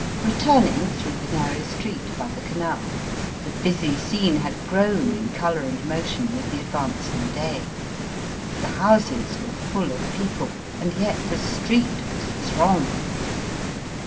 Eetuming through the narrow street by the canal, the busy scene had grown in colout and motion with the advancing day. The houses were full of people, and yet the street was thronged.